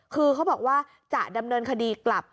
คือเขาบอกว่าจะดำเนินคดีกลับ